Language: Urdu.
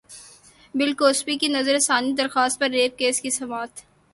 بل کوسبی کی نظرثانی درخواست پر ریپ کیس کی سماعت